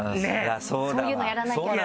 そういうのやらなきゃっていう。